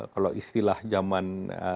kalau istilah zaman